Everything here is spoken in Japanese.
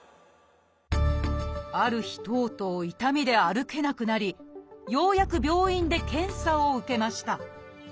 ある日とうとう痛みで歩けなくなりようやく病院で検査を受けました。